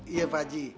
iya pak ji